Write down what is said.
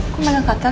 kamu malam katar